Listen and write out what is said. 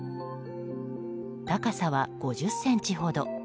高さは５０ｃｍほど。